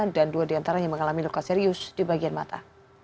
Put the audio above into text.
dan dua di antaranya mengalami luka serius di bagian mata